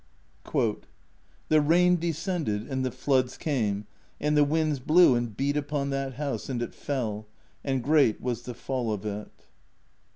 " The rain descended, and the floods came, and the winds blew, and beat upon that house ; and it fell : and great was the fall of it."